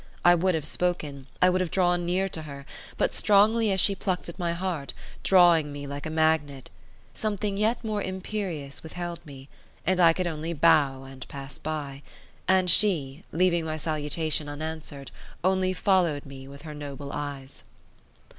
I would have spoken, I would have drawn near to her; but strongly as she plucked at my heart, drawing me like a magnet, something yet more imperious withheld me; and I could only bow and pass by; and she, leaving my salutation unanswered, only followed me with her noble eyes.